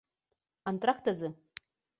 Антракт азы?